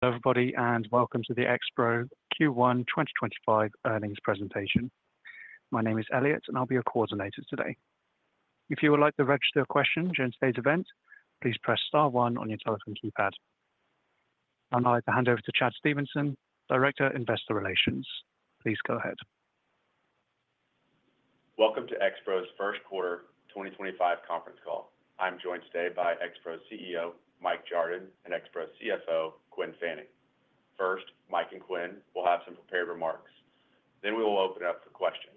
Hello everybody and welcome to the Expro Q1 2025 Earnings Presentation. My name is Elliot and I'll be your coordinator today. If you would like to register a question during today's event, please press star one on your telephone keypad. I'd now like to hand over to Chad Stephenson, Director Investor Relations. Please go ahead. Welcome to Expro's First Quarter 2025 Conference Call. I'm joined today by Expro's CEO Mike Jardon and Expro CFO Quinn Fanning. First, Mike and Quinn will have some prepared remarks, then we will open up for questions.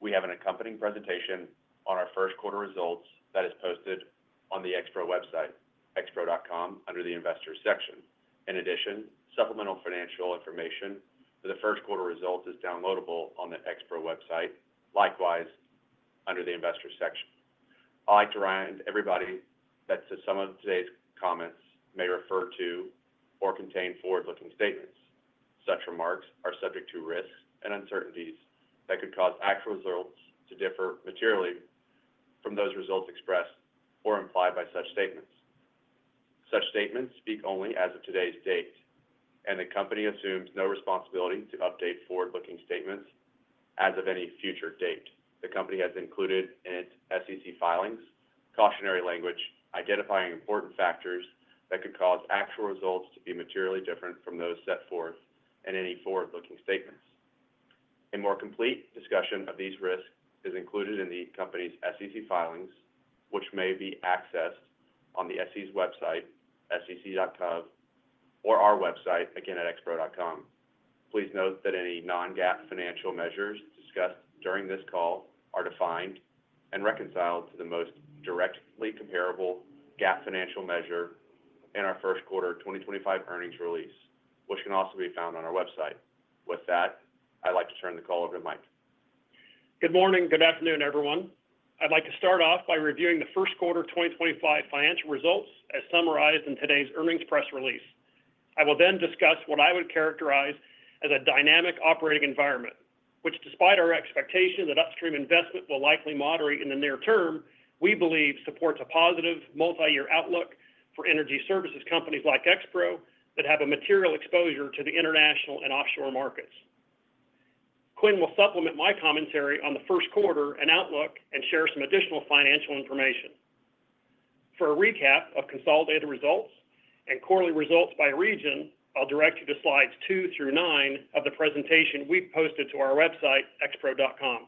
We have an accompanying presentation on our first quarter results that is posted on the Expro website expro.com under the Investors section. In addition, supplemental financial information for the first quarter results is downloadable on the Expro website, likewise under the Investors section. I like to remind everybody that some of today's comments may refer to or contain forward looking statements. Such remarks are subject to risks and uncertainties that could cause actual results to differ materially from those results expressed or implied by such statements. Such statements speak only as of today's date and the company assumes no responsibility to update forward looking statements as of any future date. The Company has included in its SEC filings cautionary language identifying important factors that could cause actual results to be materially different from those set forth in any forward looking statements. A more complete discussion of these risks is included in the Company's SEC filings which may be accessed on the SEC's website, sec.gov, or our website again at expro.com. Please note that any non-GAAP financial measures discussed during this call are defined and reconciled to the most directly comparable GAAP financial measure in our first quarter 2025 earnings release, which can also be found on our website. With that, I'd like to turn the call over to Mike. Good morning, good afternoon everyone. I'd like to start off by reviewing the first quarter 2025 financial results as summarized in today's earnings press release. I will then discuss what I would characterize as a dynamic operating environment which, despite our expectation that upstream investment will likely moderate in the near term, we believe supports a positive multi-year outlook for energy services companies like Expro that have a material exposure to the international and offshore markets. Quinn will supplement my commentary on the first quarter and outlook and share some additional financial information for a recap of consolidated results and quarterly results by region. I'll direct you to Slides 2 through 9 of the presentation we posted to our website expro.com.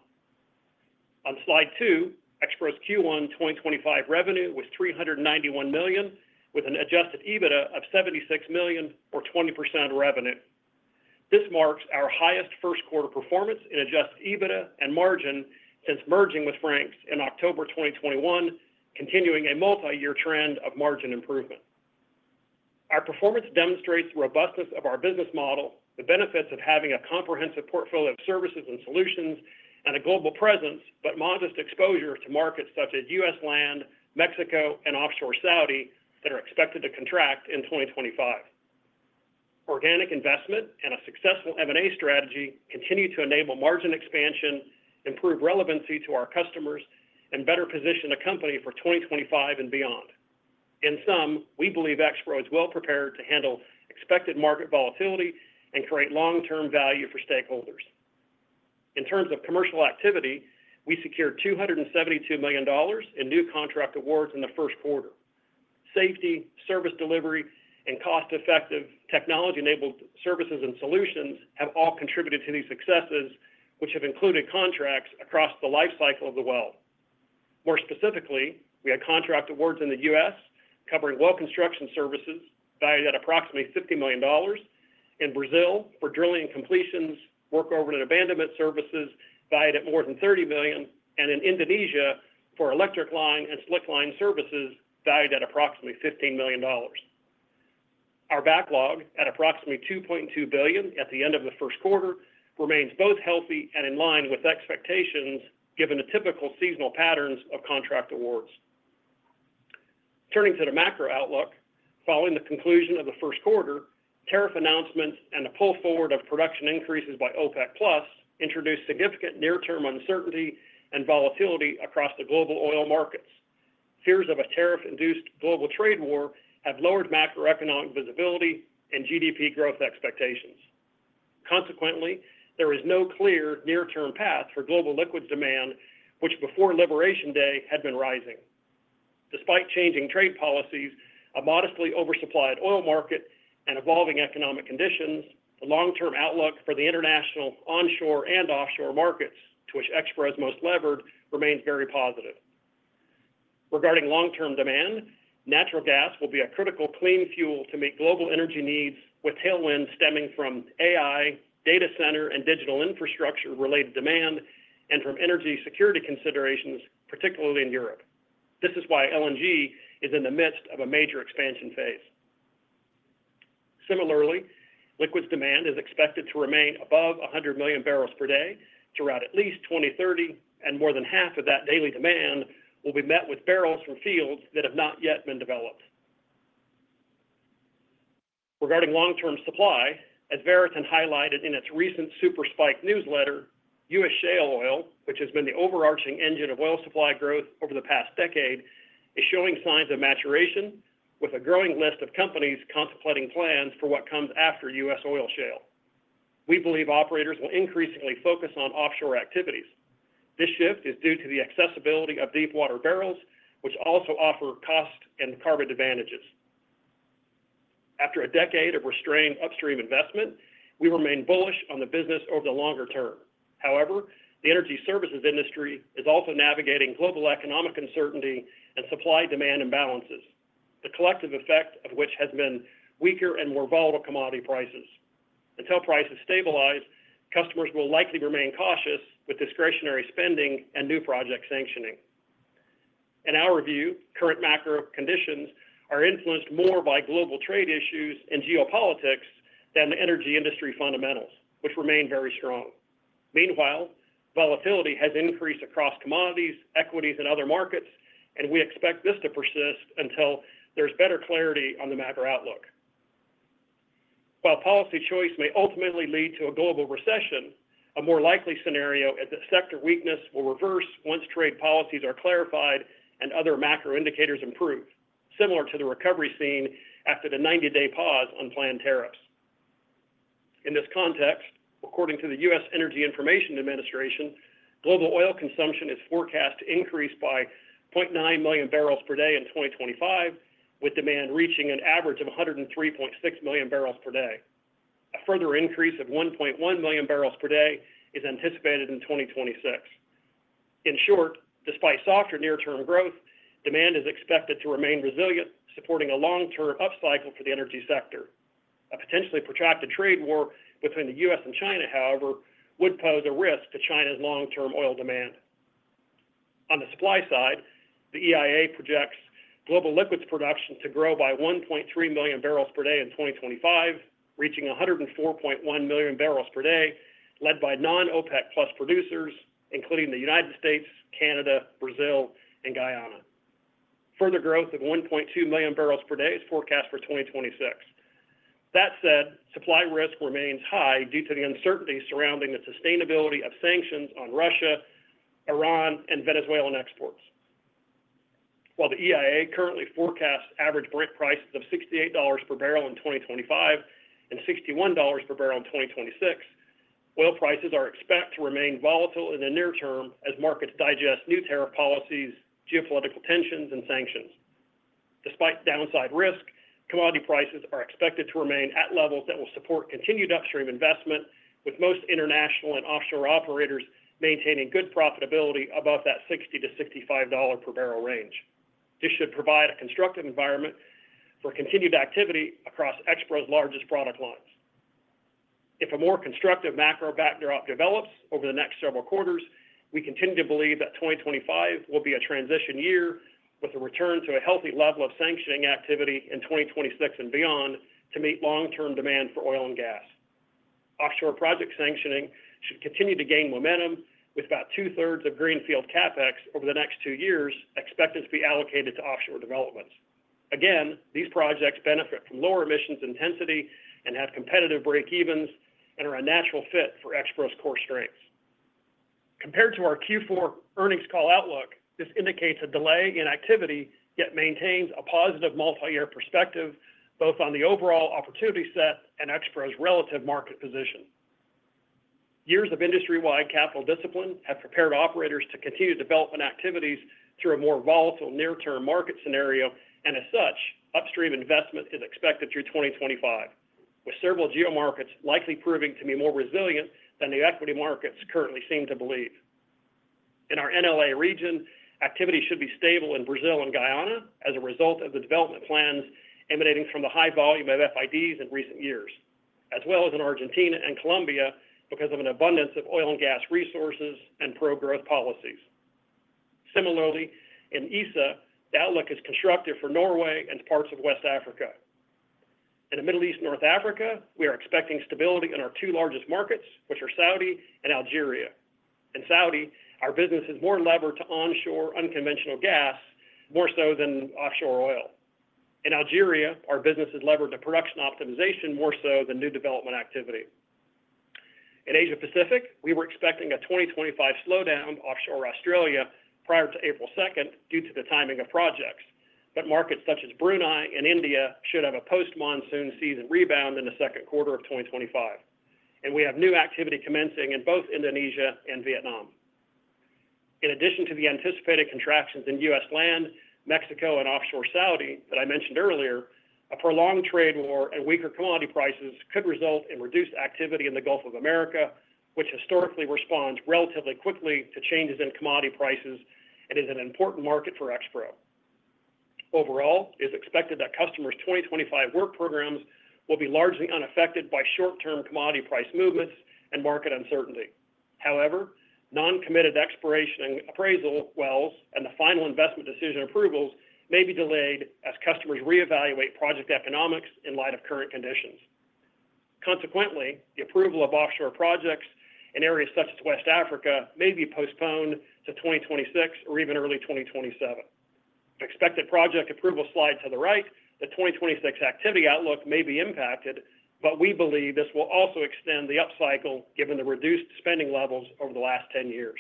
On Slide 2, Expro's Q1 2025 revenue was $391 million with an adjusted EBITDA of $76 million or 20% revenue. This marks our highest first quarter performance in adjusted EBITDA and margin since merging with Frank's in October 2021, continuing a multi-year trend of margin improvement. Our performance demonstrates robustness of our business model, the benefits of having a comprehensive portfolio of services and solutions and a global presence, but modest exposure to markets such as U.S. Land, Mexico and offshore Saudi that are expected to contract in 2025. Organic investment and a successful M&A strategy can continue to enable margin expansion, improve relevancy to our customers and better position the company for 2025 and beyond. In sum, we believe Expro is well prepared to handle expected market volatility and create long term value for stakeholders. In terms of commercial activity, we secured $272 million in new contract awards in the first quarter. Safety, service delivery and cost effective technology enabled services and solutions have all contributed to these successes which have included contracts. Across the life cycle of the Well. More specifically, we had contract awards in the U.S. covering Well Construction Services valued at approximately $50 million, in Brazil for drilling and completions, workover and abandonment services valued at more than $30 million, and in Indonesia for electric line and slickline services valued at approximately $15 million. Our backlog at approximately $2.2 billion at the end of the first quarter remains both healthy and in line with expectations given the typical seasonal patterns of contract awards. Turning to the macro outlook, following the conclusion of the first quarter, tariff announcements and a pull forward of production increases by OPEC introduced significant near-term uncertainty and volatility across the global oil markets. Fears of a tariff-induced global trade war have lowered macroeconomic visibility and GDP growth expectations. Consequently, there is no clear near term path for global liquids demand, which before Liberation Day had been rising despite changing trade policies, a modestly oversupplied oil market, and evolving economic conditions. The long term outlook for the international onshore and offshore markets to which Expro is most levered remains very positive. Regarding long term demand, natural gas will be a critical clean fuel to meet global energy needs, with tailwinds stemming from AI data center and digital infrastructure related demand and from energy security considerations, particularly in Europe. This is why LNG is in the midst of a major expansion phase. Similarly, liquids demand is expected to remain above 100 MMbpd throughout at least 2030, and more than half of that daily demand will be met with barrels from fields that have not yet been developed. Regarding long term supply, as Veriten highlighted in its recent Super Spike Newsletter, U.S. shale oil, which has been the overarching engine of oil supply growth over the past decade, is showing signs of maturation. With a growing list of companies contemplating plans for what comes after U.S. oil shale, we believe operators will increasingly focus on offshore activities. This shift is due to the accessibility of deepwater barrels, which also offer cost and carbon advantages. After a decade of restrained upstream investment, we remain bullish on the business over the longer term. However, the energy services industry is also navigating global economic uncertainty and supply demand imbalances, the collective effect of which has been weaker and more volatile commodity prices. Until prices stabilize, customers will likely remain cautious with discretionary spending and new project sanctioning. In our view, current macro conditions are influenced more by global trade issues and geopolitics than the energy industry fundamentals, which remain very strong. Meanwhile, volatility has increased across commodities, equities, and other markets, and we expect this to persist until there is better clarity on the macro outlook. While policy choice may ultimately lead to a global recession, a more likely scenario is that sector weakness will reverse once trade policies are clarified and other macro indicators improve, similar to the recovery seen after the 90 day pause on planned tariffs. In this context, according to the U.S. Energy Information Administration, global oil consumption is forecast to increase by 0.9 MMbpd in 2025, with demand reaching an average of 103.6 MMbpd. A further increase of 1.1 MMbpd is anticipated in 2026. In short, despite softer near term growth, demand is expected to remain resilient, supporting a long term upcycle for the energy sector. A potentially protracted trade war between the U.S. and China, however, would pose a risk to China's long term oil demand. On the supply side, the EIA projects global liquids production to grow by 1.3 MMbpd in 2025, reaching 104.1 MMbpd, led by non-OPEC+ producers including the United States, Canada, Brazil, and Guyana. Further growth of 1.2 MMbpd is forecast for 2026. That said, supply risk remains high due. To the uncertainty surrounding the sustainability of Sanctions on Russia and Iran and Venezuelan exports. While the EIA currently forecasts average prices of $68 per barrel in 2025 and $61 per barrel in 2026, oil prices are expected to remain volatile in the near term as markets digest new tariff policies, geopolitical tensions and sanctions. Despite downside risk, commodity prices are expected to remain at levels that will support continued upstream investment with most international and offshore operators maintaining good profitability above that $60-$65 per barrel range. This should provide a constructive environment for continued activity across Expro's largest product lines if a more constructive macro backdrop develops over the next several quarters. We continue to believe that 2025 will be a transition year with a return to a healthy level of sanctioning activity in 2026 and beyond to meet long term demand for oil and gas. Offshore project sanctioning should continue to gain momentum with about two thirds of greenfield CapEx over the next two years expected to be allocated to offshore developments. Again, these projects benefit from lower emissions intensity and have competitive breakevens and are a natural fit for Expro's core strengths compared to our Q4 earnings call outlook. This indicates a delay in activity yet maintains a positive multi year perspective both on the overall opportunity set and Expro's relative market position. Years of industry wide capital discipline have prepared operators to continue development activities through a more volatile near term market scenario and as such upstream investment is expected through 2025 with several geomarkets likely proving to be more resilient than the equity markets currently seem to believe. In our NLA region, activity should be stable in Brazil and Guyana as a result of the development plans emanating from the high volume of FIDs in recent years as well as in Argentina and Colombia because of an abundance of oil and gas resources and pro growth policies. Similarly, in ESA the outlook is constructive for Norway and parts of West Africa. In the Middle East North Africa, we are expecting stability in our two largest markets, which are Saudi and Algeria. In Saudi, our business is more levered to onshore unconventional gas more so than offshore oil. In Algeria, our business is levered to production optimization more so than new development activity. In Asia Pacific we were expecting a 2025 slowdown offshore Australia prior to April 2 due to the timing of projects, but markets such as Brunei and India should have a post monsoon season rebound in the second quarter of 2025 and we have new activity commencing in both Indonesia and Vietnam in addition to the anticipated contractions in U.S. land, Mexico, and offshore Saudi that I mentioned earlier. A prolonged trade war and weaker commodity prices could result in reduced activity in the Gulf of America, which historically responds relatively quickly to changes in commodity prices and is an important market for Expro. Overall, it is expected that customers' 2025 work programs will be largely unaffected by short term commodity price movements and market uncertainty. However, non-committed exploration and appraisal Wells and the final investment decision approvals may be delayed as customers reevaluate project economics in light of current conditions. Consequently, the approval of offshore projects in. Areas such as West Africa may be Postponed to 2026 or even early 2027. If expected project approvals slide to the right, the 2026 activity outlook may be impacted, but we believe this will also extend the upcycle given the reduced spending levels over the last 10 years.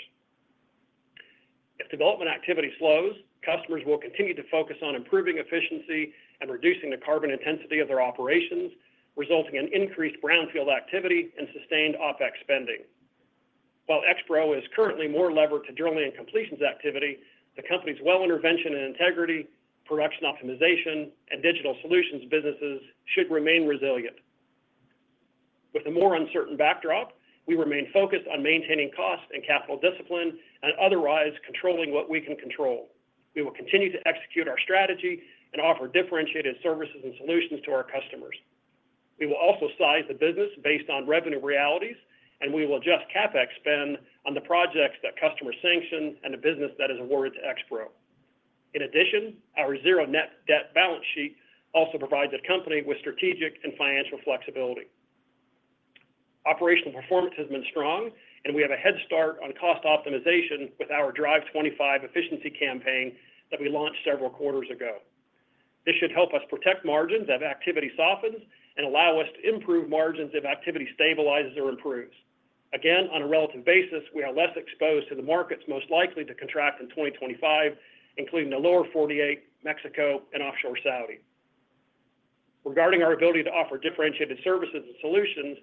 If development activity slows, customers will continue to focus on improving efficiency and reducing the carbon intensity of their operations, resulting in increased brownfield activity and sustained OPEX spending. While Expro is currently more levered to drilling and completions activity, the company's Well Intervention & Integrity production optimization and digital solutions businesses should remain resilient with a more uncertain backdrop. We remain focused on maintaining cost and capital discipline and otherwise controlling what we can control. We will continue to execute our strategy and offer differentiated services and solutions to our customers. We will also size the business based on revenue realities and we will adjust capex spend on the projects that customers sanction and the business that is awarded to Expro. In addition, our zero net debt balance sheet also provides the company with strategic and financial flexibility. Operational performance has been strong and we have a head start on cost optimization with our Drive25 efficiency campaign that we launched several quarters ago. This should help us protect margins as activity softens and allow us to improve margins. If activity stabilizes or improves again on a relative basis, we are less exposed to the markets most likely to contract in 2025, including the Lower 48, Mexico, and offshore Saudi. Regarding our ability to offer differentiated services and solutions,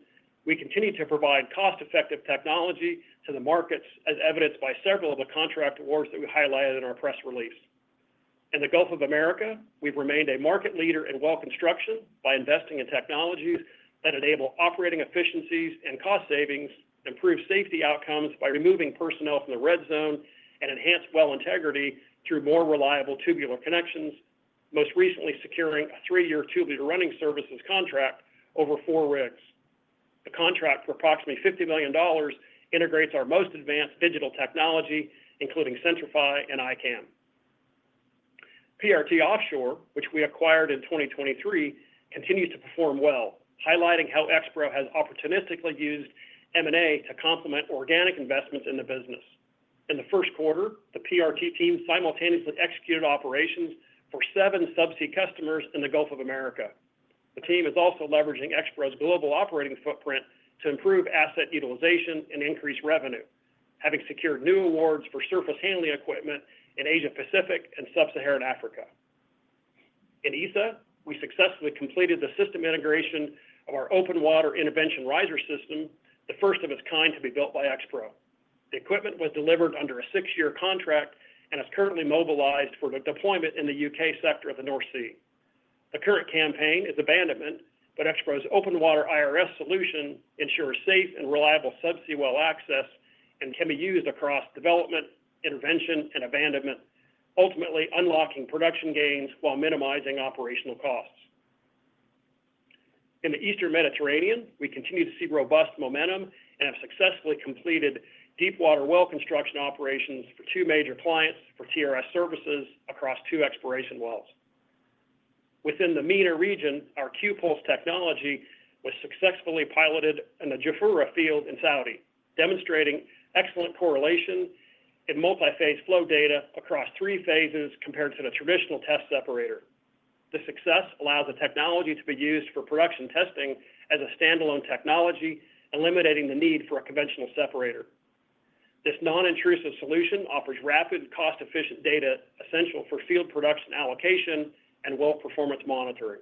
we continue to provide cost effective technology to the markets, as evidenced by several of the contract awards that we highlighted in our press release. In the Gulf of America, we've remained a market leader in Well Construction, investing in technologies that enable operating efficiencies and cost savings, improve safety outcomes by removing personnel from the Red Zone, and enhance Well Integrity through more reliable tubular connections, most recently securing a three-year tubular running services contract over four rigs. The contract for approximately $50 million integrates our most advanced digital technology, including Centri-FI and iCAM. PRT Offshore, which we acquired in 2023, continues to perform well, highlighting how Expro has opportunistically used M&A to complement organic investments in the business. In the first quarter, the PRT team simultaneously executed operations for seven subsea customers in the Gulf of America. The team is also leveraging Expro's global operating footprint to improve asset utilization and increase revenue, having secured new awards for surface handling equipment in Asia Pacific and Sub-Saharan Africa. In ESA we successfully completed the system integration of our Open Water Intervention Riser System, the first of its kind to be built by Expro. The equipment was delivered under a six-year contract and is currently mobilized for deployment in the U.K. sector of the North Sea. The current campaign is abandonment, but Expro's Open Water IRS solution is ensuring safe and reliable Subsea Well Access and can be used across development, intervention, and abandonment, ultimately unlocking production gains while minimizing operational costs. In the Eastern Mediterranean we continue to see robust momentum and have successfully completed deepwater Well Construction operations for two major clients for TRS services across two exploration wells within the MENA region. Our QPulse technology was successfully piloted in the Jafurah field in Saudi Arabia demonstrating excellent correlation in multi-phase flow data across three phases compared to the traditional test separator. The success allows the technology to be used for production testing as a standalone technology, eliminating the need for a conventional separator. This non-intrusive solution offers rapid, cost-efficient data essential for field production allocation and well performance monitoring.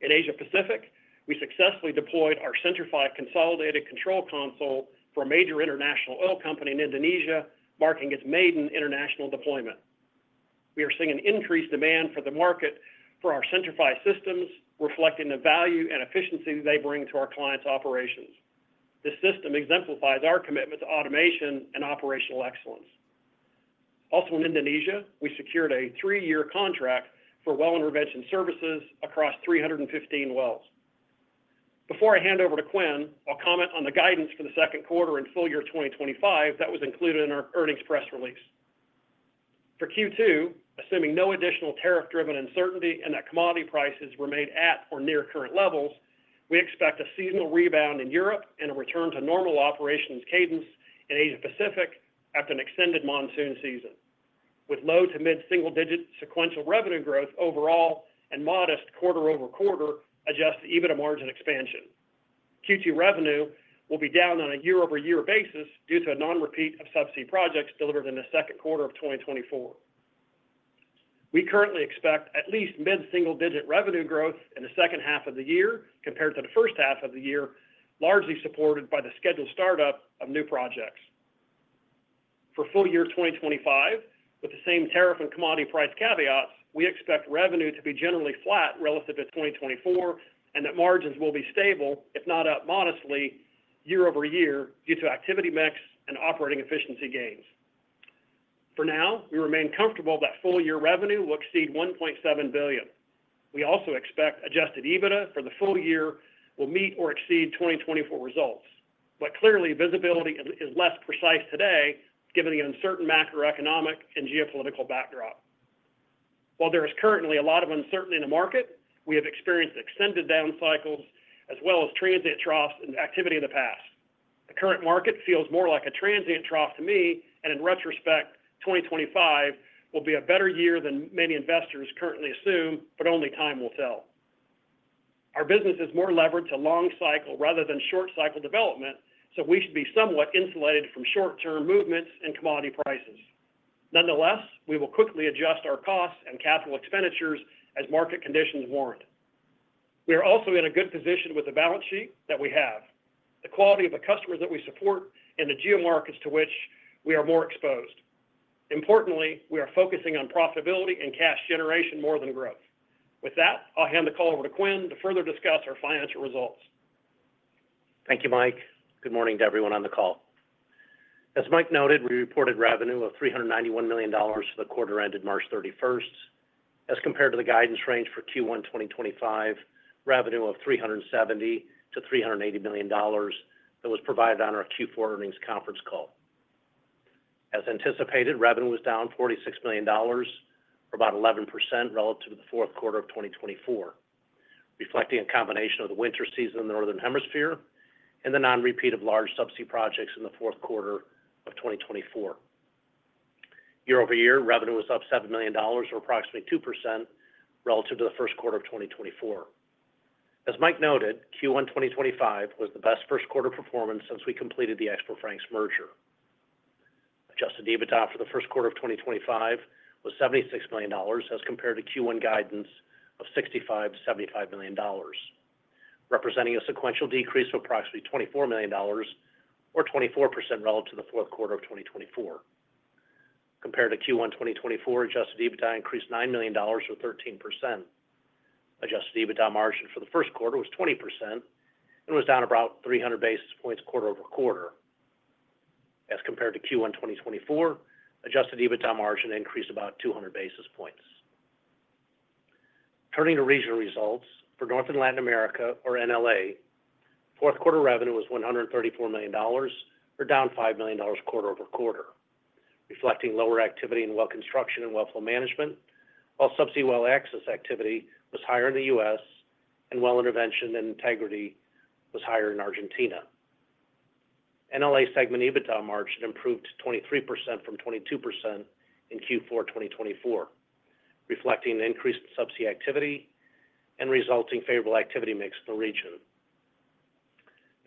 In Asia Pacific, we successfully deployed our Centri-FI Consolidated Control Console for a major international oil company in Indonesia, marking its maiden international deployment. We are seeing an increased demand from the market for our Centri-FI systems, reflecting the value and efficiency they bring to our clients' operations. This system exemplifies our commitment to automation and operational excellence. Also in Indonesia, we secured a three-year contract for Well Intervention Services across 315 Wells. Before I hand over to Quinn, I'll comment on the guidance for the second quarter and full year 2025 that was included in our earnings press release for Q2. Assuming no additional tariff driven uncertainty and that commodity prices remain at or near current levels, we expect a seasonal rebound in Europe and a return to normal operations cadence in Asia Pacific after an extended monsoon season with low to mid single digit sequential revenue growth overall and modest quarter over quarter adjusted EBITDA margin expansion. Q2 revenue will be down on a year over year basis due to a non repeat of subsea projects delivered in the second quarter of 2024. We currently expect at least mid single digit revenue growth in the second half of the year compared to the first half of the year, largely supported by the scheduled startup of new projects for full year 2025 with the same tariff and commodity price caveats. We expect revenue to be generally flat relative to 2024 and that margins will be stable if not up modestly year over year due to activity mix and operating efficiency gains. For now, we remain comfortable that full year revenue will exceed $1.7 billion. We also expect adjusted EBITDA for the full year will meet or exceed 2024 results, but clearly visibility is less precise today given the uncertain macroeconomic and geopolitical backdrop. While there is currently a lot of uncertainty in the market, we have experienced extended down cycles as well as transient troughs and activity in the past. The current market feels more like a transient trough to me, and in retrospect, 2025 will be a better year than many investors currently assume, but only time will tell. Our business is more levered to long cycle rather than short cycle development, so we should be somewhat insulated from short term movements in commodity prices. Nonetheless, we will quickly adjust our costs and capital expenditures as market conditions warrant. We are also in a good position with the balance sheet that we have, the quality of the customers that we support is and the geomarkets to which we are more exposed. Importantly, we are focusing on profitability and cash generation more than growth. With that, I'll hand the call over to Quinn to further discuss our financial results. Thank you Mike. Good morning to everyone on the call. As Mike noted, we reported revenue of $391 million for the quarter ended March 31 as compared to the guidance range for Q1 2025 revenue of $370 million-$380 million that was provided on our Q4 earnings conference call. As anticipated, revenue was down $46 million or about 11% relative to the fourth quarter of 2024, reflecting a combination of the winter season in the Northern Hemisphere and the non-repeat of large Subsea projects in the fourth quarter of 2024. Year over year, revenue was up $7 million or approximately 2% relative to the first quarter of 2024. As Mike noted, Q1 2025 was the best first quarter performance since we completed the Expro Frank's merger. Adjusted EBITDA for the first quarter of 2025 was $76 million as compared to Q1 guidance of $65 million-$75 million, representing a sequential decrease of approximately $24 million or 24% relative to the fourth quarter of 2024. Compared to Q1 2024, adjusted EBITDA increased $9 million or 13%. Adjusted EBITDA margin for the first quarter was 20% and was down about 300 basis points quarter over quarter. As compared to Q1 2024, adjusted EBITDA margin increased about 200 basis points. Turning to regional results for North and Latin America, or NLA, fourth quarter revenue was $134 million, down $5 million quarter over quarter, reflecting lower activity in Well Construction and Well Flow Management while Subsea Well Access activity was higher in the U.S. and Well Intervention & Integrity was higher in Argentina. NLA segment EBITDA margin improved 23% from 22% in Q4 2024 reflecting increased subsea activity and resulting favorable activity mix in the region.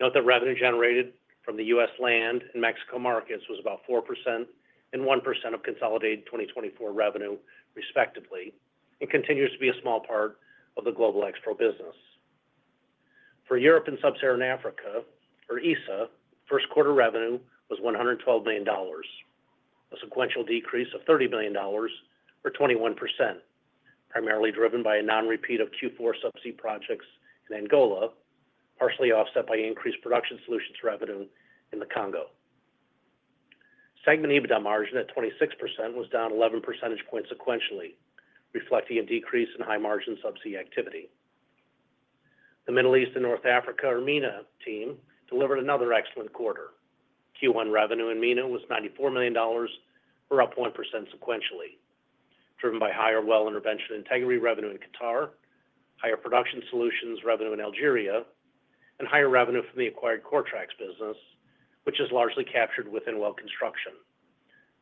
Note that revenue generated from the U.S. land and Mexico markets was about 4% and 1% of consolidated 2024 revenue respectively and continues to be a small part of the global Expro business for Europe and Sub-Saharan Africa or ESA. First quarter revenue was $112 million, a sequential decrease of $30 million or 21% primarily driven by a non-repeat of Q4 subsea projects in Angola, partially offset by increased production solutions revenue in the Congo. Segment EBITDA margin at 26% was down 11 percentage points sequentially reflecting a decrease in high margin subsea activity. The Middle East and North Africa MENA team delivered another excellent quarter. Q1 revenue in MENA was $94 million, were up 1% sequentially, driven by higher Well Intervention Integrity revenue in Qatar, higher production solutions revenue in Algeria, and higher revenue from the acquired Coretrax business, which is largely captured within well construction,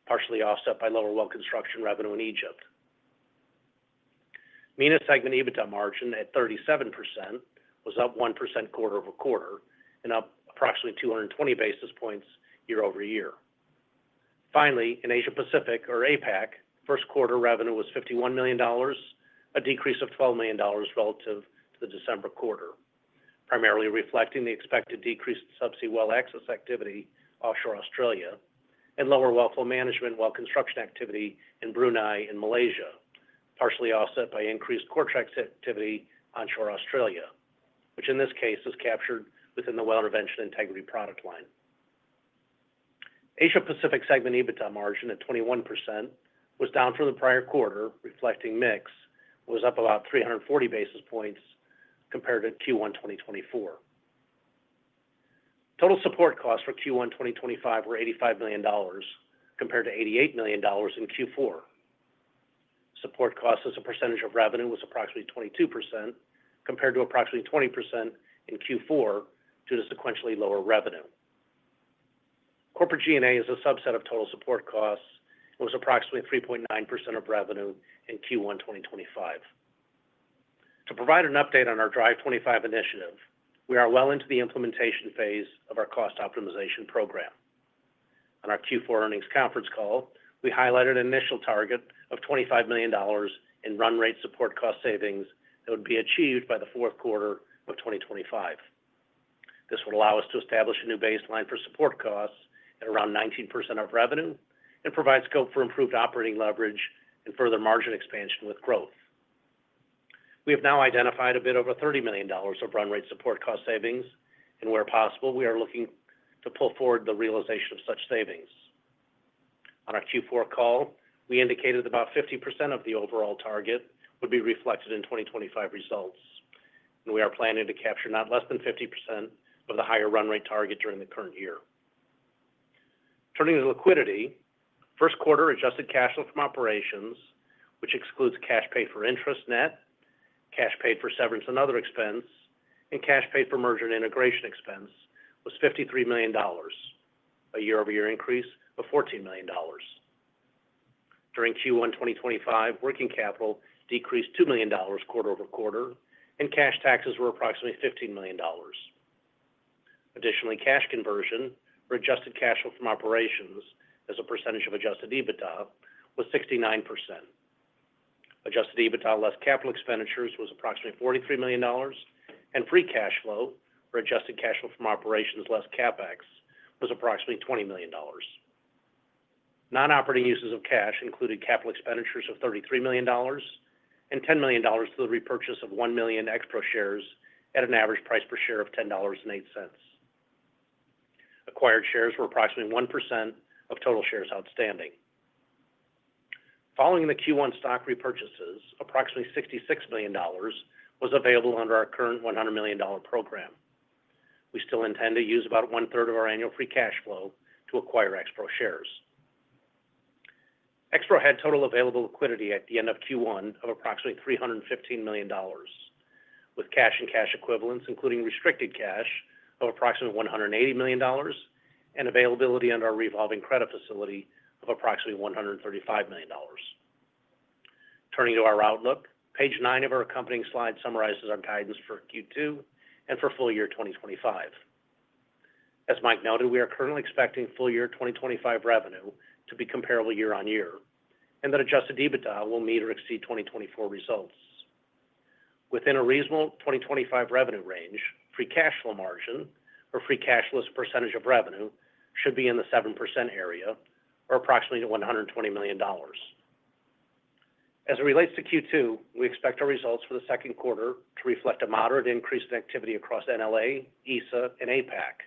partially offset by lower Well Construction revenue in Egypt. MENA segment EBITDA margin at 37% was up 1% quarter over quarter and up approximately 220 basis points year over year. Finally, in Asia Pacific or APAC, first quarter revenue was $51 million, a decrease of $12 million relative to the December quarter, primarily reflecting the expected decreased Subsea Well Access activity offshore Australia and lower Well Flow Management, Well Construction activity in Brunei and Malaysia, partially offset by increased Coretrax activity onshore Australia, which in this case is captured within the Well Intervention Integrity product line. Asia Pacific segment EBITDA margin at 21% was down from the prior quarter reflecting mix was up about 340 basis points compared to Q1 2024. Total support costs for Q1 2025 were $85 million compared to $88 million in Q4. Support cost as a percentage of revenue was approximately 22% compared to approximately 20% in Q4 due to sequentially lower revenue. Corporate G&A is a subset of total support costs. It was approximately 3.9% of revenue in Q1 2025. To provide an update on our Drive25 initiative, we are well into the implementation phase of our cost optimization program. On our Q4 earnings conference call we highlighted initial target of $25 million in run rate support cost savings that would be achieved by the fourth quarter of 2025. This would allow us to establish a new baseline for support costs at around 19% of revenue and provide scope for improved operating leverage and further margin expansion with growth. We have now identified a bit over $30 million of run rate support cost savings and where possible we are looking to pull forward the realization of such savings. On our Q4 call, we indicated about 50% of the overall target would be reflected in 2025 results and we are planning to capture not less than 50% of the higher run rate target during the current year. Turning to liquidity, first quarter adjusted cash flow from operations which excludes cash paid for interest, net cash paid for severance and other expense, and cash paid for merger and integration expense was $53 million, a year over year increase of $14 million during Q1 2025. Working capital decreased $2 million quarter over quarter and cash taxes were approximately $15 million. Additionally, cash conversion for adjusted cash flow from operations as a percentage of Adjusted EBITDA was 69%. Adjusted EBITDA less capital expenditures was approximately $43 million and free cash flow or adjusted cash flow from operations less CapEx was approximately $20 million. Non operating uses of cash included capital expenditures of $33 million and $10 million through the repurchase of 1 million Expro shares at an average price per share of $10.08. Acquired shares were approximately 1% of total shares outstanding. Following the Q1 stock repurchases, approximately $66 million was available under our current $100 million program. We still intend to use about one third of our annual free cash flow to acquire Expro shares. Expro had total available liquidity at the end of Q1 of approximately $315 million with cash and cash equivalents including restricted cash of approximately $180 million and availability under our revolving credit facility of approximately $135 million. Turning to our outlook, page 9 of our accompanying slide summarizes our guidance for Q2 and for full year 2025. As Mike noted, we are currently expecting full year 2025 revenue to be comparable year on year and that adjusted EBITDA will meet or exceed 2024 results within a reasonable 2025 revenue range. Free cash flow margin or free cash as percentage of revenue should be in the 7% area or approximately $120 million. As it relates to Q2, we expect our results for the second quarter to reflect a moderate increase in activity across NLA, ESA and APAC.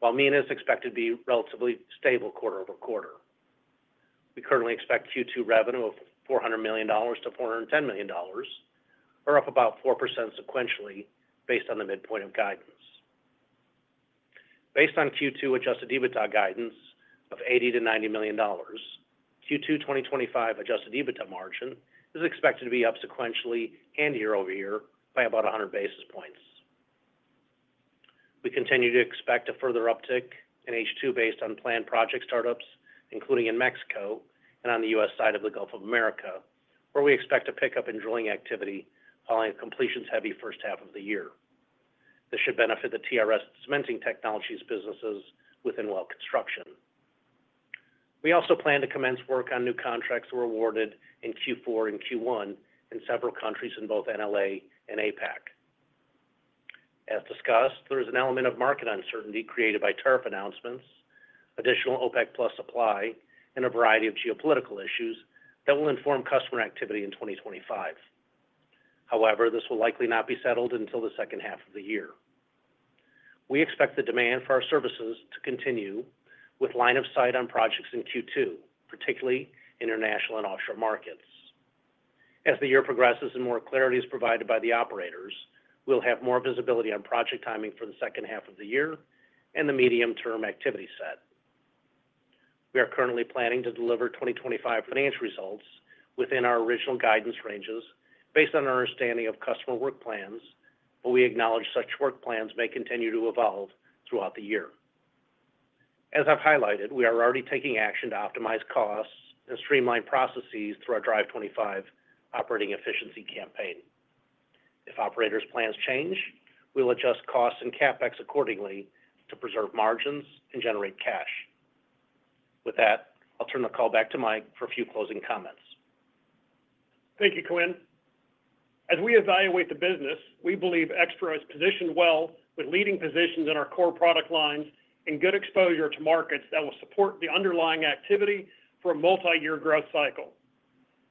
While MENA is expected to be relatively stable quarter over quarter, we currently expect Q2 revenue of $400 million-$410 million, or up about 4% sequentially based on the midpoint of guidance. Based on Q2 adjusted EBITDA guidance of $80 million-$90 million, Q2 2025 adjusted EBITDA margin is expected to be up sequentially and year over year by about 100 basis points. We continue to expect a further uptick in H2 based on planned project startups including in Mexico and on the U.S. side of the Gulf of America where we expect a pickup in drilling activity following a completions heavy first half of the year. This should benefit the TRS Cementing Technologies businesses within Well Construction. We also plan to commence work on new contracts that were awarded in Q4 and Q1 in several countries in both NLA and APEC. As discussed, there is an element of market uncertainty created by tariff announcements, additional OPEC supply and a variety of geopolitical issues that will inform customer activity in 2025. However, this will likely not be settled until the second half of the year. We expect the demand for our services to continue with line of sight on projects in Q2, particularly international and offshore markets. As the year progresses and more clarity is provided by the operators, we'll have more visibility on project timing for the second half of the year and the medium term activity set. We are currently planning to deliver 2025 financial results within our original guidance ranges based on our understanding of customer work plans, but we acknowledge such work plans may continue to evolve throughout the year. As I've highlighted, we are already taking action to optimize costs and streamline processes through our Drive25 operating efficiency campaign. If operators' plans change, we'll adjust costs and CapEx accordingly to preserve margins and generate cash. With that, I'll turn the call back to Mike for a few closing comments. Thank you, Quinn. As we evaluate the business, we believe Expro is positioned well with leading positions in our core product lines and good exposure to markets that will support the underlying activity for a multi-year growth cycle.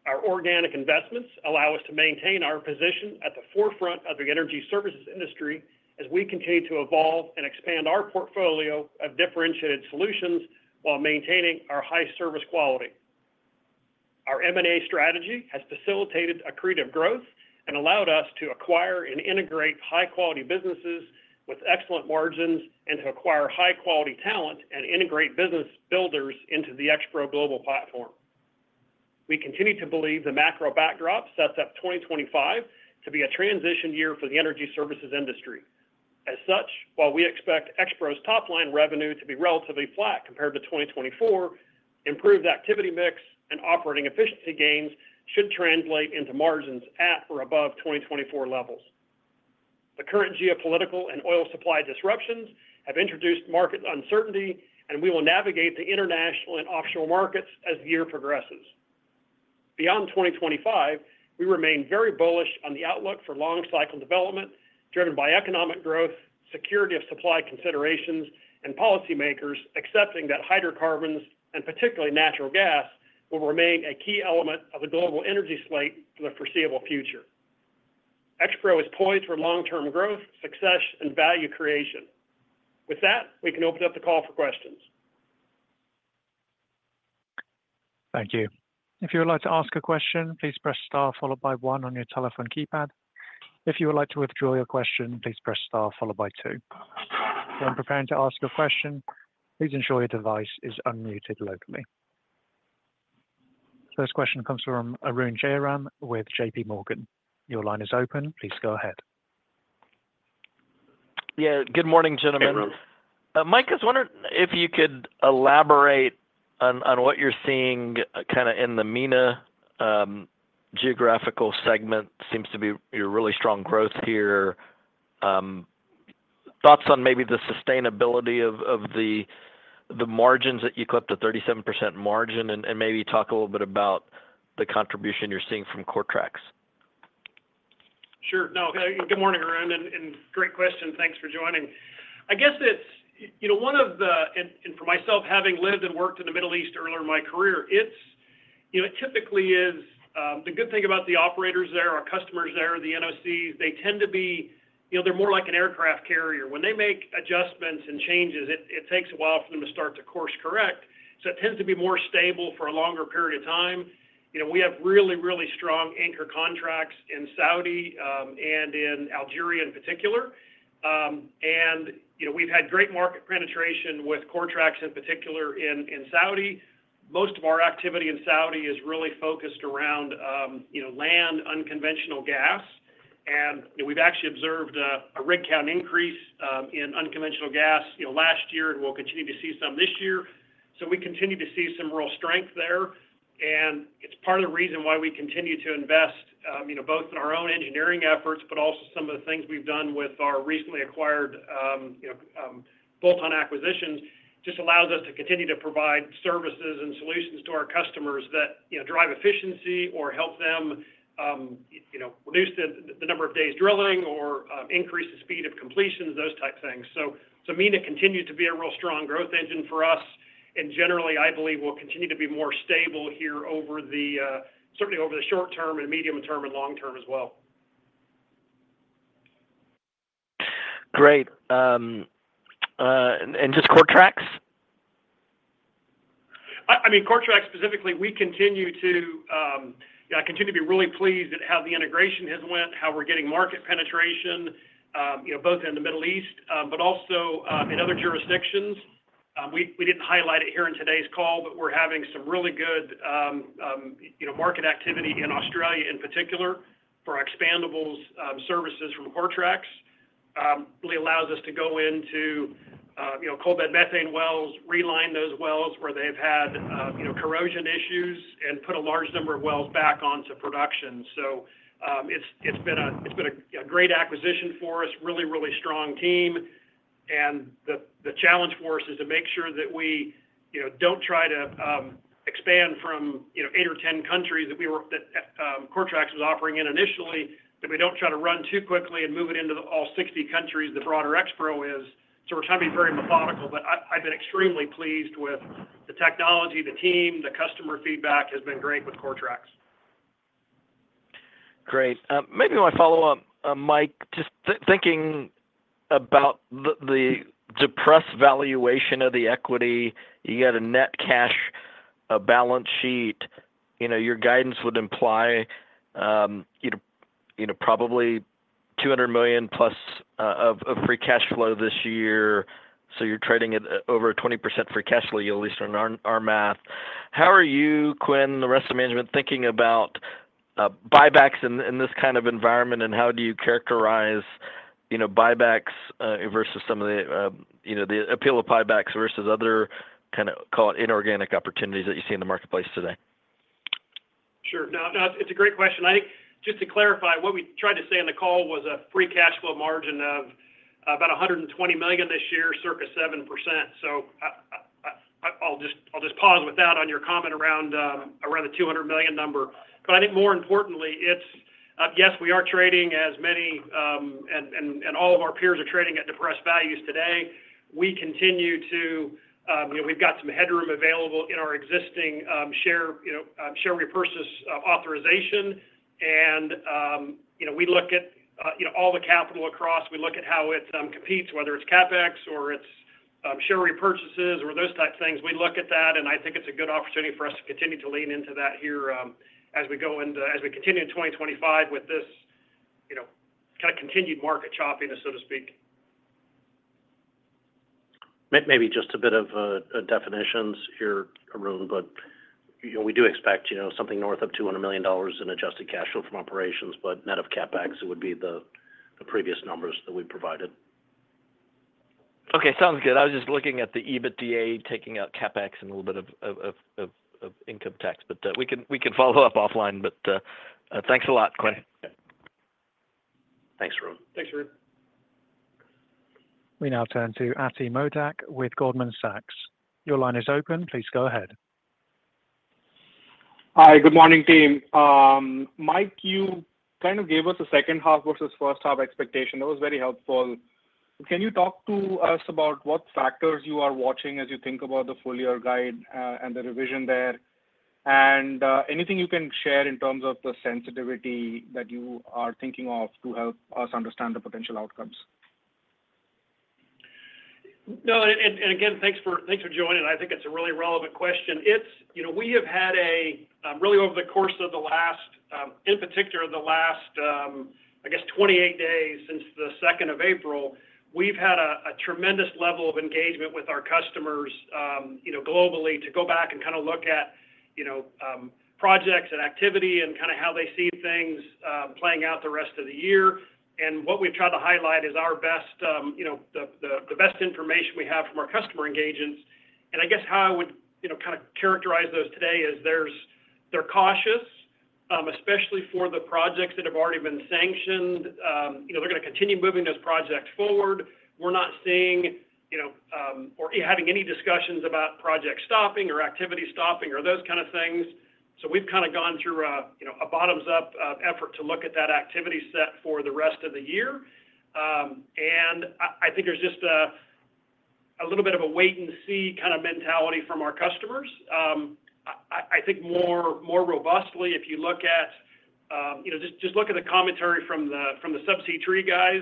Our organic investments allow us to maintain our position at the forefront of the energy services industry as we continue to evolve and expand our portfolio of differentiated solutions while maintaining our high service quality. Our M&A strategy has facilitated accretive growth and allowed us to acquire and integrate high quality businesses with excellent margins and to acquire high quality talent and integrate business builders into the Expro global platform. We continue to believe the macro backdrop sets up 2025 to be a transition year for the energy services industry. As such, while we expect Expro's top line revenue to be relatively flat compared to 2024, improved activity mix and operating efficiency gains should translate into margins at or above 2024 levels. The current geopolitical and oil supply disruptions have introduced market uncertainty and we will navigate the international and offshore markets as the year progresses beyond 2025. We remain very bullish on the outlook for long cycle development driven by economic growth, security of supply considerations and policymakers accepting that hydrocarbons and particularly natural gas will remain a key element of the global energy slate for the foreseeable future. Expro is poised for long term growth, success and value creation. With that, we can open up the call for questions. Thank you. If you would like to ask a question, please press star followed by one on your telephone keypad. If you would like to withdraw your question, please press star followed by two. When preparing to ask a question, please ensure your device is unmuted locally. First question comes from Arun Jayaram with JP Morgan. Your line is open. Please go ahead. Yeah, good morning gentlemen. Mike, I was wondering if you could elaborate on what you're seeing kind of in the MENA geographical segment. Seems to be really strong growth here. Thoughts on maybe the sustainability of the margins that you clipped a 37% margin and maybe talk a little bit about the contribution you're seeing from Coretrax. Sure. No, Good morning, Arun, and great question. Thanks for joining. I guess it's, you know, one of the, and for myself, having lived and worked in the Middle East earlier in. My career, it's you know, it typically is the good thing about the operators. There, our customers there, the NOCs, they tend to be, you know, they're more like an aircraft carrier when they make adjustments and changes, it takes a while for them to start to course. Correct. It tends to be more stable for a longer period of time. You know, we have really, really strong anchor contracts in Saudi and in Algeria in particular. You know, we've had great market. Penetration with Coretrax in particular in Saudi. Most of our activity in Saudi is really focused around, you know, land unconventional gas. And we've actually observed a rig count increase in unconventional gas, you know, last year and we'll continue to see some this year. So we continue to see some real strength there. It is part of the reason why. We continue to invest both in our own engineering efforts, but also some of the things we've done with our recently acquired bolt-on acquisitions just allows us to continue to provide services and solutions to our customers that drive efficiency. Help them reduce the number of days. Drilling or increase the speed of completions, those type things. MENA continues to be a real strong growth engine for us and generally I believe we'll continue to be more stable here over the, certainly over the short term and medium term and long term as well. Great. And just Coretrax. I mean, Coretrax specifically we continue to be really pleased at how the integration has went, how we're getting market penetration, you know, both in the Middle East, but also in other jurisdictions. We didn't highlight it here in today's call, but we're having some really good, you know, market activity in Australia in particular for expandables services from Coretrax allows us to go into, you know, coal, bed methane wells, reline those wells where. They've had, you know, corrosion issues and put a large number of wells back onto production. It has been a great acquisition for us. Really, really strong team. The challenge for us is to make sure that we do not try to. Expand from eight or 10 countries that Coretrax was offering in initially, that we do not try to run too quickly and move it into all 60 countries the broader Expro is. We are trying to be very methodical. I have been extremely pleased with the technology, the team, the customer feedback has been great with Coretrax. Great. Maybe my follow up, Mike, just thinking about the depressed valuation of the equity. You got a net cash balance sheet, you know, your guidance would imply probably $200 million plus of free cash flow this year. So you're trading at over 20% free cash flow yield, at least on our math. How are you, Quinn, the rest of management thinking about buybacks in this kind of environment and how do you characterize buybacks versus some of the appeal of buybacks versus other kind of, call it, inorganic opportunities that you see in the marketplace today? Sure, it's a great question. I think just to clarify, what we. Tried to say in the call was. A free cash flow margin of about $120 million this year, circa 7%. I'll just pause with that on. Your comment around the $200 million number. I think more importantly it's yes. We are trading as many and all of our peers are trading at depressed values today. We continue to, you know, we've got some headroom available in our existing share, you know, share repurchase authorization. You know, we look at you. Know, all the capital across, we look at how it competes, whether it's CapEx or it's share repurchases or those type of things. We look at that and I think it's a good opportunity for us to. Continue to lean into that here as. We go into, as we continue in. 2025 with this, you know, kind of. Continued market choppiness, so to speak. Maybe just a bit of definitions here, Arun, but we do expect, you know, something north of $200 million in adjusted cash flow from operations, but net of CapEx, it would be the previous numbers that we provided. Okay, sounds good. I was just looking at the EBITDA taking out CapEx and a little bit of income tax. We can follow up offline. Thanks a lot, Quinn. Thanks, Ron. Thanks. We now turn to Ati Modak with Goldman Sachs. Your line is open. Please go ahead. Hi, good morning team. Mike, you kind of gave us a second half versus first half expectation. That was very helpful. Can you talk to us about what factors you are watching as you think about the full year guide and the revision there are and anything you can share in terms of the sensitivity that you are thinking of to help us understand the potential outcomes? Thank you again for joining. I think it's a really relevant question. You know, we have had a really, over the course of the last, in particular the last, I guess 28 days since the 2nd of April, we've had a tremendous level of engagement with our customers, you know, globally to go. Back and kind of look at you. Know, projects and activity and kind of how they see things playing out the rest of the year. What we've tried to highlight is. Our best, you know, the best information we have from our customer engagements and I guess how I would, you know, kind of characterize those today is there's. They're cautious, especially for the projects that have already been sanctioned. You know, they're going to continue moving those projects forward. We're not seeing, you know, or having. Any discussions about project stopping or activity stopping or those kind of things. We've kind of gone through a bottoms up effort to look at that activity set for the rest of the year. I think there's just a little bit of a wait and see kind of mentality from our customers. I think more robustly, if you look at, you know, just look at the commentary from the subsea tree guys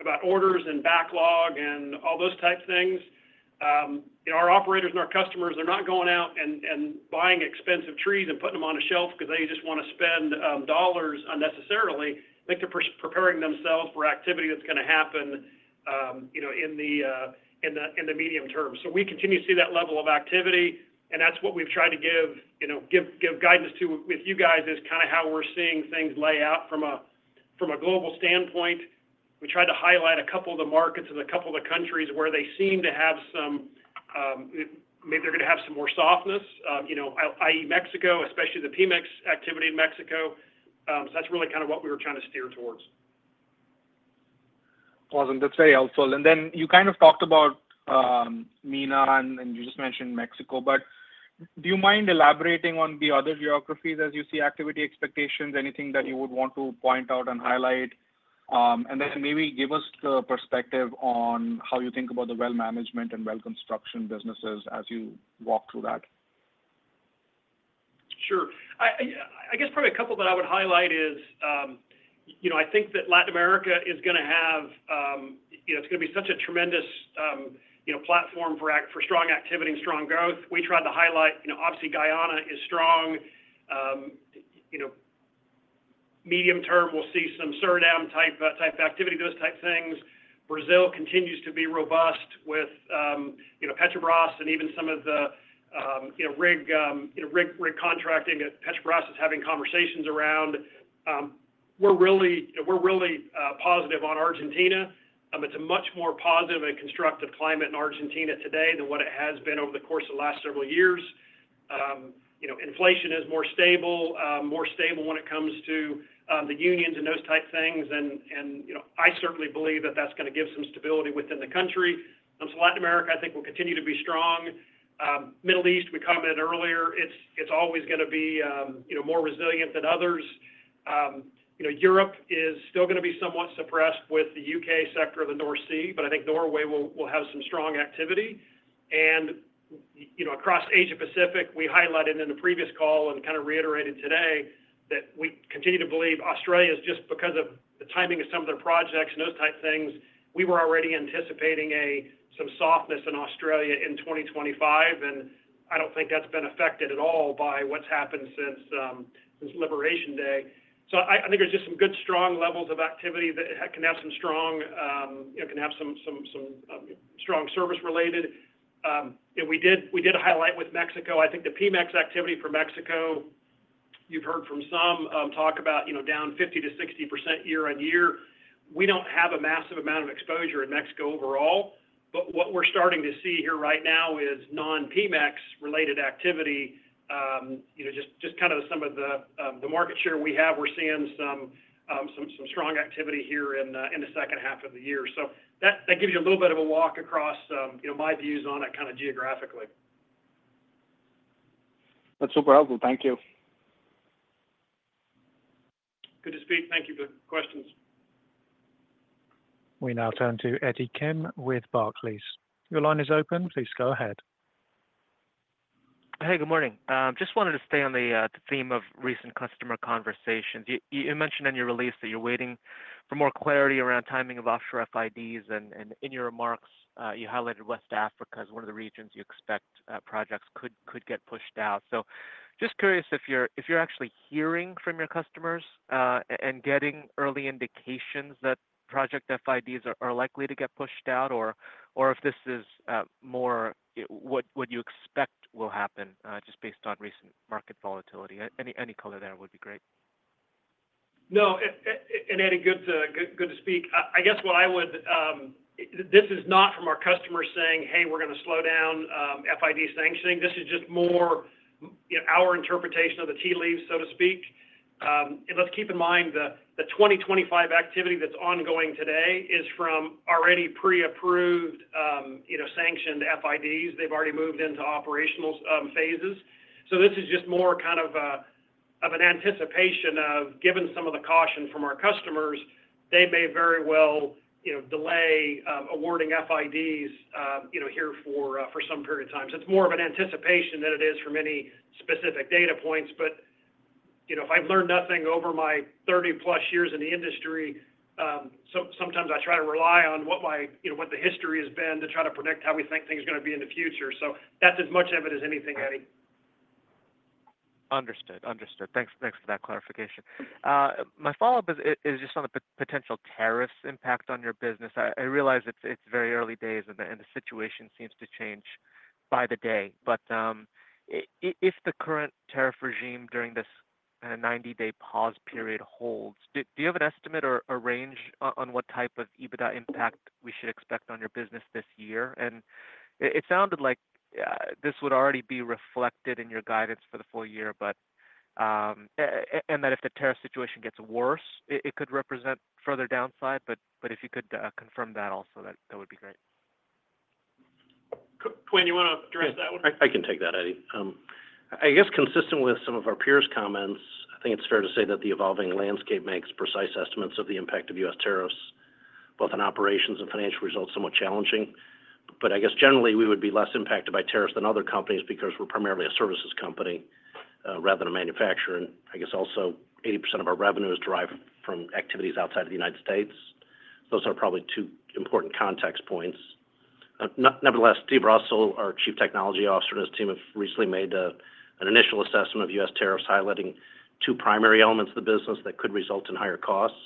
about orders and backlog and all those type things. Our operators and our customers, they're not going out and buying expensive trees and. Putting them on a shelf because they. Just want to spend dollars unnecessarily. They're preparing themselves for activity that's going to happen in the medium term, so we continue to see that level of. Activity and that's what we've tried to. Give guidance too with you guys is kind of how we're seeing things lay. Out from a, from a global standpoint. We tried to highlight a couple of. The markets in a couple of the countries where they seem to have some, maybe they're going to have some more softness. That is Mexico, especially the PEMEX activity in Mexico. That's really kind of what we. We're trying to steer towards. Awesome. That's very helpful. You kind of talked about MENA and you just mentioned Mexico. Do you mind elaborating on the other geographies as you see activity expectations, anything that you would want to point out and highlight, and then maybe give us the perspective on how you think about the Well Management and well construction businesses as you walk through that? Sure. I guess probably a couple that I would highlight is, you know, I think. That Latin America is going to have, you know, it's going to be such. A tremendous, you know, platform for strong activity and strong growth. We tried to highlight, you know, obviously Guyana is strong, you know, medium term we'll see some Suriname type activity, those type things. Brazil continues to be robust with, you know, Petrobras and even some of the rig contracting. Petrobras is having conversations around. We're really positive on Argentina. It's a much more positive and constructive climate in Argentina today than what it has been over the course of the last several years. You know, inflation is more stable, more stable when it comes to the unions and those type things. You know, I certainly believe that that's going to give some stability within the country. Latin America I think will continue to be strong. Middle East, we commented earlier, it's always. Going to be, you know, more resilient than others. You know, Europe is still going to be somewhat suppressed with the U.K. sector. Of the North Sea, I think. Norway will have some strong activity and you know, across Asia Pacific. We highlighted in the previous call and. Kind of reiterated today that we continue. To believe Australia is just because of the timing of some of their projects and those type things. We were already anticipating some softness in Australia in 2025 and I don't think that's been affected at all by what's happened since Liberation Day. I think there's just some good, strong levels of activity that can have some strong, can have some strong service related. We did a highlight with Mexico. I think the PEMEX activity for Mexico you've heard from some talk about down 50-60% year on year. We don't have a massive amount of exposure in Mexico overall. What we're starting to see here. Right now is non-PEMEX related activity. Just kind of some of the market share we have. We're seeing some strong activity here in the second half of the year. That gives you a little bit. Of a walk across my views on it kind of geographically. That's super helpful. Thank you. Good to speak. Thank you for the questions. We now turn to Eddie Kim with Barclays. Your line is open. Please go ahead. Hey, good morning. Just wanted to stay on the theme of recent customer conversations. You mentioned in your release that you're waiting for more clarity, clarity around timing of offshore FIDs. In your remarks you highlighted West Africa as one of the regions you expect projects could get pushed out. Just curious if you're actually hearing from your customers and getting early indications that project FIDs are likely to get pushed out or if this is more what you expect will happen just based on recent market volatility. Any color there would be great. No? Eddie, good to speak. I guess what I would say is this is not from our customers saying, hey, we're going to slow down FID sanctioning. This is just more our interpretation of the tea leaves, so to speak. Let's keep in mind the 2025 activity that's ongoing today is from already pre-approved, you know, sanctioned FIDs. They've already moved into operational phases. This is just more kind of an anticipation of, given some of the caution from our customers, they may very well delay awarding FIDs here for some period of time. It's more of an anticipation than it is from any specific data points. If I've learned nothing over my. Thirty plus years in the industry, sometimes I try to rely on what the history has been to try to predict. How we think things are going to be in the future. That's as much of it as anything, Eddie. Understood, understood. Thanks. Thanks for that clarification. My follow up is just on the potential tariffs impact on your business. I realize it's very early days and the situation seems to change by the day, but if the current tariff regime during this 90 day pause period holds, do you have an estimate or a range on what type of EBITDA impact we should expect on your business this year? It sounded like this would already be reflected in your guidance for the full year, and that if the tariff situation gets worse it could represent further downside. If you could confirm that also that would be great. Quinn, you want to address that one? I can take that, Eddie. I guess consistent with some of our peers' comments, I think it's fair to say that the evolving landscape makes precise estimates of the impact of U.S. tariffs, both in operations and financial results, somewhat challenging. I guess generally we would be less impacted by tariffs than other companies because we're primarily a services company rather than a manufacturer. I guess also 80% of our revenue is derived from activities outside of the United States. Those are probably two important context points. Nevertheless, Steve Russell, our Chief Technology Officer, and his team have recently made an initial assessment of U.S. tariffs, highlighting two primary elements of the business that could result in higher costs.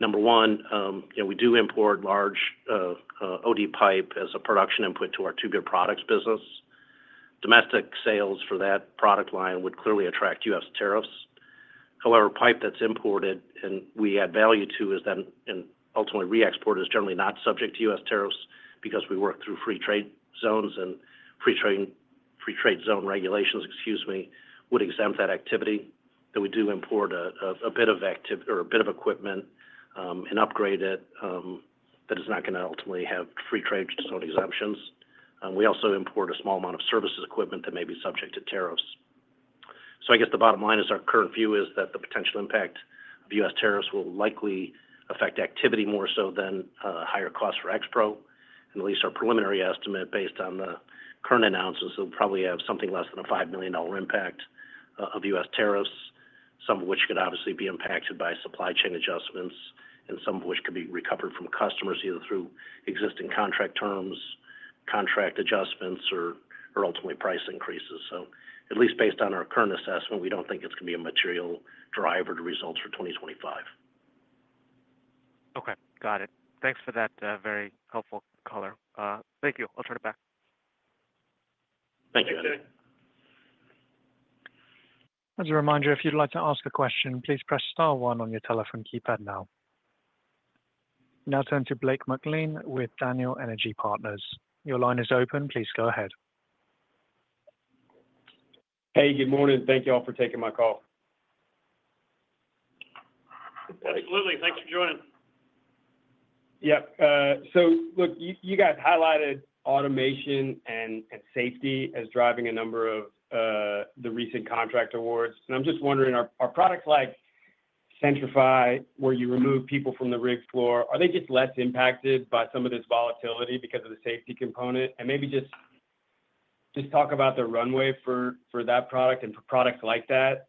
Number one, we do import large OD pipe as a production input to our Tubular products business. Domestic sales for that product line would clearly attract U.S. tariffs. However, pipe that's imported and we add value to is that and ultimately re-export is generally not subject to U.S. tariffs because we work through free trade zones. Free trade zone regulations, excuse me, would exempt that activity. We do import a bit of activity or a bit of equipment and upgrade it that is not going to ultimately have free trade exemptions. We also import a small amount of services equipment that may be subject to tariffs. I guess the bottom line is our current view is that the potential impact of U.S. tariffs will likely affect activity more so than higher cost for Expro. At least our preliminary estimate based on the current announcements will probably have something less than a $5 million impact of U.S. tariffs, some of which could obviously be impacted by supply chain adjustments and some of which could be recovered from customers either through existing contract terms, contract adjustments, or ultimately price increases. At least based on our current. Assessment, we don't think it's going to be a material driver to results for 2025. Okay, got it. Thanks for that. Very helpful. Thank you. I'll turn it back. Thank you, Andrew. As a reminder, if you'd like to ask a question, please press star one on your telephone keypad now. Now turn to Blake McLean with Daniel Energy Partners. Your line is open. Please go ahead. Hey, good morning. Thank you all for taking my call. Absolutely. Thanks for joining. Yep. Look, you guys highlighted automation and safety as driving a number of the recent contract awards. I'm just wondering, are products like Centri-FI, where you remove people from the. Rig floor, are they just less impacted by some of this volatility because of the safety component and maybe just talk about the runway for that product and for products like that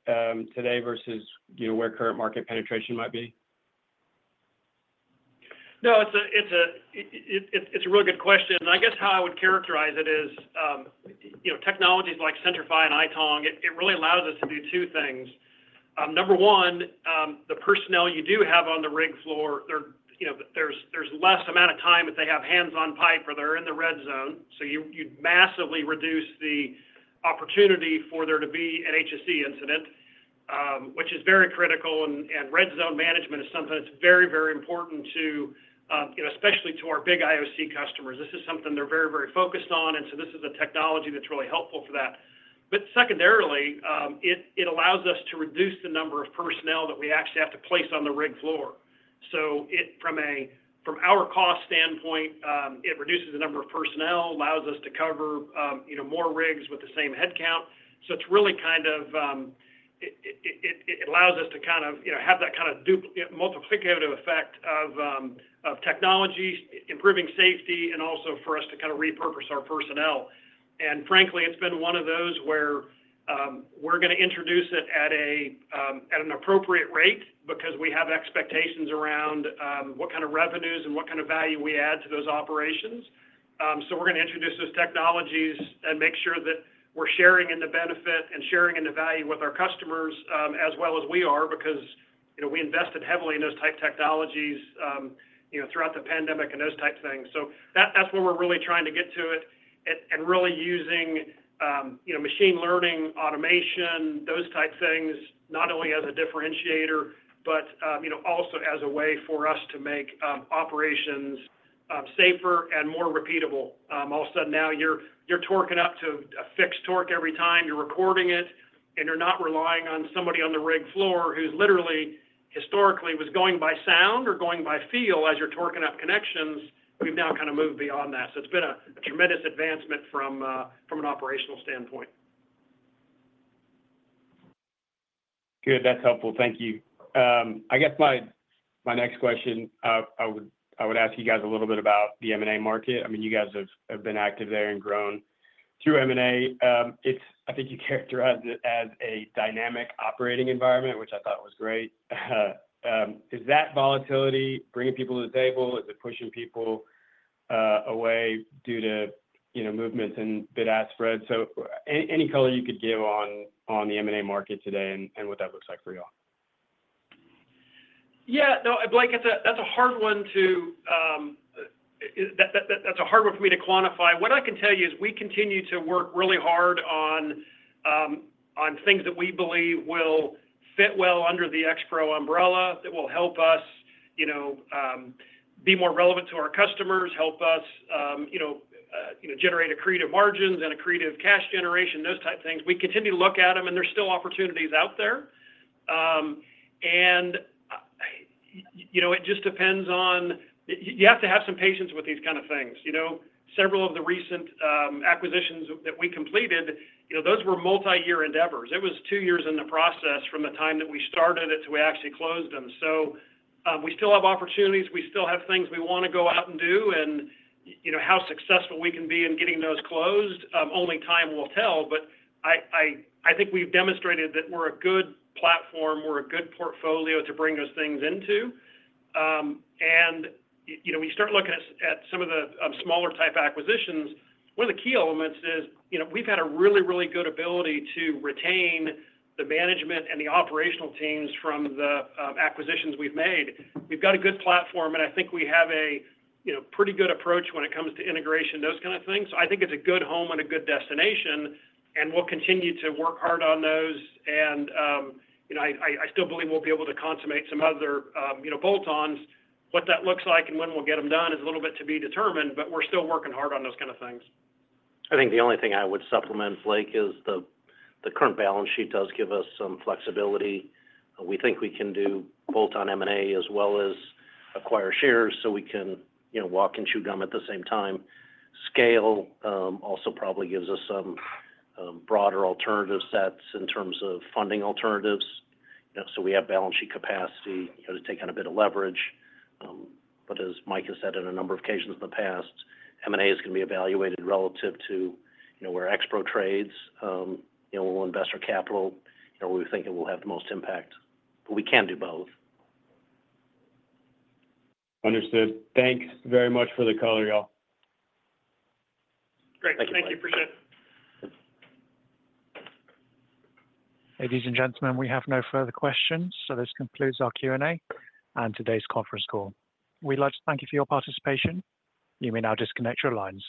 today versus, you know, where current market penetration might be? No, it's a really good question. I guess how I would characterize it. Is technologies like Centri-FI and iCAM. It really allows us to do two things. Number one, the personnel you do have on the rig floor, there's less amount of time if they have hands on. Pipe or they're in the Red Zone. You massively reduce the opportunity for there to be an HSE incident, which is very critical. Red zone management is something that's very, very important to, you know, especially to our big IOC customers. This is something they're very, very focused on. This is a technology that's. Really helpful for that. Secondarily, it allows us to reduce the number of personnel that we actually have to place on the rig floor. It, from a. From our cost standpoint, it reduces the number of personnel, allows us to cover, you know, more rigs with same headcount. It is really kind of. It allows us to kind of, you know, have that kind of multiplicative effect. Of technology improving safety and also for us to kind of repurpose our personnel. Frankly, it's been one of those where we're going to introduce it at a. At an appropriate rate because we have. Expectations around what kind of revenues and what kind of value we add to those operations. We are going to introduce those technologies. Make sure that we're sharing in. The benefit and sharing in the value with our customers as well as we are, because we invested heavily in those type technologies throughout the pandemic and those type things. That is where we're really trying to get to it and really using machine learning, automation, those type things, not only as a differentiator, but also as a way for us to make operations safer and more repeatable. All of a sudden now you're torquing up to a fixed torque every time you're recording it. And you're not relying on somebody on the rig floor who's literally historically was going by sound or going by feel. As you're torquing up connections. have now kind of moved beyond that. It has been a tremendous advancement from an operational standpoint. Good, that's helpful. Thank you. I guess my next question, I would ask you guys a little bit about the M&A market. I mean, you guys have been active there and grown through M&A. I think you characterize it as a dynamic operating environment, which I thought was great. Is that volatility bringing people to the table? Is it pushing people away due to movements in bid-ask spread. Any color you could give on the M&A market today. What that looks like for you all? Yeah, no, Blake, that's a hard one to. That's a hard one for me to quantify. What I can tell you is we continue to work really hard on things that we believe will fit well under the Expro umbrella. That will help us, you know, be more relevant to our customers, help us. You know, generate accretive margins and accretive. Cash generation, those type things. We continue to look at them. There's still opportunities out there. And, you. know, it just depends on. You have to have some patience with. These kind of things. You know, several of the recent acquisitions. That we completed, you know, those were multi-year endeavors. It was two years in the process, from the time that we started it till we actually closed them. We still have opportunities, we still. Have things we want to go out. Do you know how successful we can be in getting those closed. Only time will tell. I think we've demonstrated that we're a good platform, we're a good portfolio. To bring those things into and we start looking at some of the smaller type acquisitions. One of the key elements is we've. Had a really, really good ability to retain the management and the operational teams from the acquisitions we've made. We've got a good platform and I think we have a pretty good approach. When it comes to integration, those kind of things. I think it's a good home. A good destination and we'll continue to. Work hard on those. I still believe we'll be able to consummate some other bolt-ons. What that looks like and when we'll. Get them done is a little bit to be determined. We are still working hard on those kind of things. I think the only thing I would supplement, Blake, is the current balance sheet. Does give us some flexibility. We think we can do bolt on. M&A as well as acquire shares so we can walk and chew gum at the same time. Scale also probably gives us some broader alternative sets in terms of funding alternatives. We have balance sheet capacity to. Take on a bit of leverage. As Mike has said in a. Number of occasions in the past, M&A. Is going to be evaluated relative to where Expro trades. We'll invest our capital where we think it will have the most. Impact, but we can do both. Understood. Thanks very much for the color, y'all. right. Great. Thank you. Appreciate it. Ladies and gentlemen, we have no further questions. This concludes our Q and A and today's conference call. We'd like to thank you for your participation. You may now disconnect your lines.